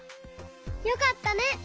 よかったね！